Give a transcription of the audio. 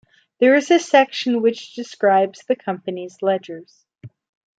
There is a Section which describes the company's Ledgers.